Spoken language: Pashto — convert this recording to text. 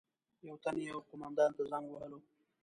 یو تن یو قومندان ته زنګ وهلو.